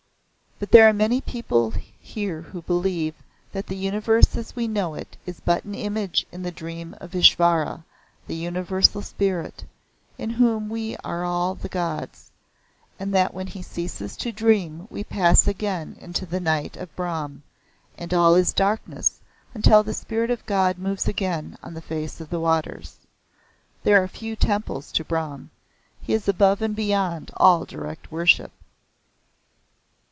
But there are many people here who believe that the Universe as we know it is but an image in the dream of Ishvara, the Universal Spirit in whom are all the gods and that when He ceases to dream we pass again into the Night of Brahm, and all is darkness until the Spirit of God moves again on the face of the waters. There are few temples to Brahm. He is above and beyond all direct worship."